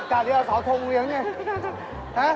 นี่กาเดียวสาวโทงเรียนใช่มั้ย